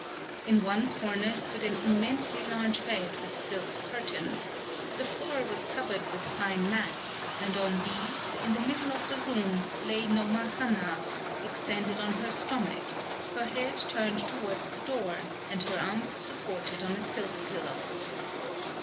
In one corner stood an immensely large bed with silk curtains; the floor was covered with fine mats, and on these, in the middle of the room, lay Nomahanna, extended on her stomach, her head turned towards the door, and her arms supported on a silk pillow....